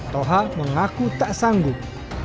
toha mengaku tak sanggup